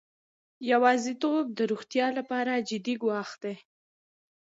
یوازیتوب د روغتیا لپاره جدي ګواښ دی.